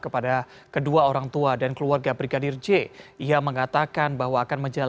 saya juga sudah minta amat